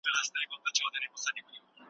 خیر محمد خپله لور په چیچیه غوښتله.